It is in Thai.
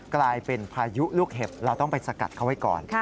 กลายเป็นพายุลูกเห็บเราต้องไปสกัดเขาไว้ก่อน